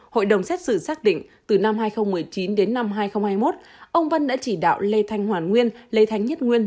hội đồng xét xử xác định từ năm hai nghìn một mươi chín đến năm hai nghìn hai mươi một ông vân đã chỉ đạo lê thanh hoàn nguyên lê thánh nhất nguyên